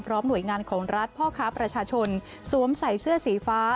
หน่วยงานของรัฐพ่อค้าประชาชนสวมใส่เสื้อสีฟ้า